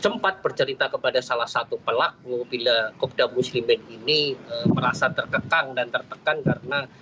sempat bercerita kepada salah satu pelaku bila kopda muslimin ini merasa terkekang dan tertekan karena